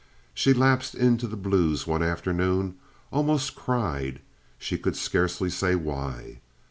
She lapsed into the blues one afternoon—almost cried—she could scarcely say why.